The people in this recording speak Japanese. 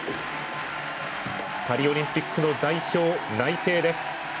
パリオリンピックの代表内定です。